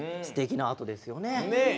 すてきなアートですよね。